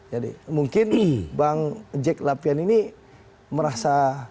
jadi mungkin bang jack lapian ini merasa